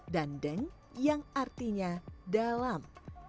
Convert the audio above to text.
dan deng yang artinya dalam